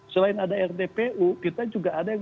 selain ada rdpu kita juga ada yang